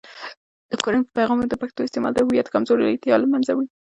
د کورنۍ په پیغامونو کې د پښتو استعمال د هویت کمزورتیا له منځه وړي.